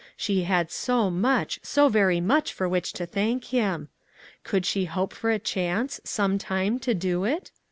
She had so much, so very much for which to thank him ! Could she hope for a chance, some time, to do it?